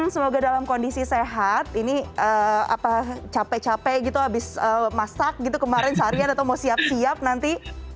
semoga dalam kondisi sehat ini capek capek gitu habis masak gitu kemarin seharian atau mau siap siap nanti